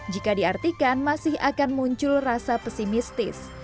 jika diartikan masih akan muncul rasa pesimistis